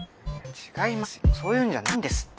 違いますよそういうんじゃないんですって。